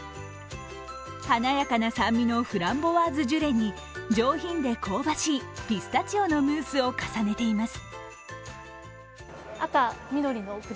華やかな酸味のフランボワーズジュレに上品で香ばしいピスタチオのムースを重ねています。